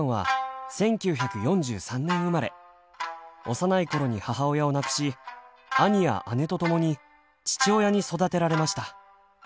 幼いころに母親を亡くし兄や姉とともに父親に育てられました。